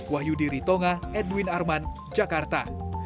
wahyu diri tonga edwin arman jakarta